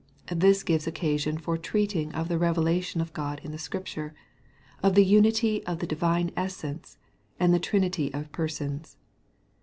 This gives occasion for treating of the revelation of God in the Scripture, of the unity of the Divine Essence, and the trinity of Persons.